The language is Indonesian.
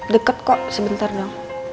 deket kok sebentar dong